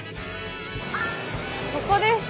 ここです！